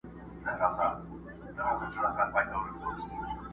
په سپینه ورځ غلو زخمي کړی تښتولی چنار٫